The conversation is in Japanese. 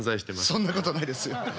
そんなことないですよ。